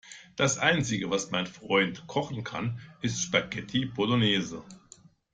Das Einzige, was mein Freund kochen kann, ist Spaghetti Bolognese.